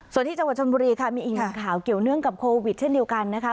ส่วนที่จังหวัดชนบุรีค่ะมีอีกหนึ่งข่าวเกี่ยวเนื่องกับโควิดเช่นเดียวกันนะคะ